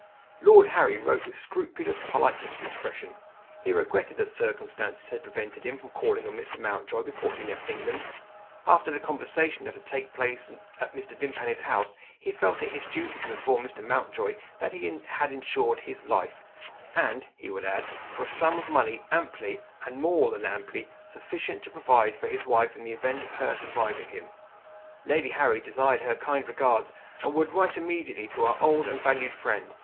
Lord Harry wrote with scrupulous politeness of expression. He regretted that circumstances had prevented him from calling on Mr. Mountjoy, before he left England. After the conversation that had taken place at Mr. Vimpany's house, he felt it his duty to inform Mr. Mountjoy that he had insured his life and, he would add, for a sum of money amply, and more than amply, sufficient to provide for his wife in the event of her surviving him. Lady Harry desired her kind regards, and would write immediately to her old and valued friend.